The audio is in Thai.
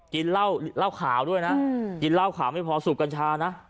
กินเหล้าขาวด้วยนะกินเหล้าขาวไม่พอสูบกัญชานะ